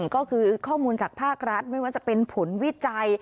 ก็คือข้อมูลจากภาครัฐไม่ว่าจะเป็นผลวิจัย